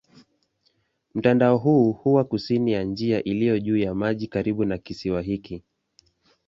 Mtandao huu huwa kusini ya njia iliyo juu ya maji karibu na kisiwa hiki.